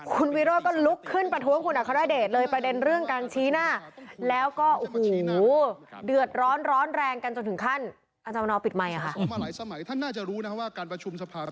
คุณวิโรธก็ลุกขึ้นประท้วงคุณอคารเดช